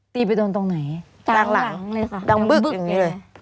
ไปโดนตรงไหนกลางหลังเลยค่ะดังบึ้งอย่างนี้เลย